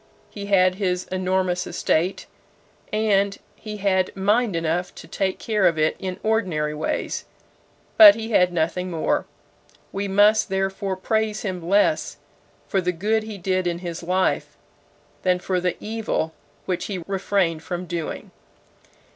He had his enormous estate, and he had mind enough to take care of it in ordinary ways; but he had nothing more. We must therefore praise him less for the good he did in his life, than for the evil which he refrained from doing.